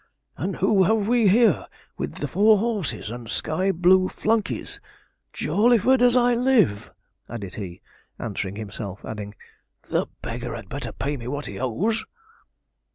'And who have we here, with the four horses and sky blue flunkeys? Jawleyford, as I live!' added he, answering himself; adding, 'The beggar had better pay me what he owes.'